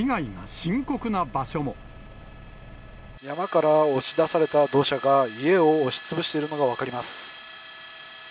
山から押し出された土砂が、家を押しつぶしているのが分かります。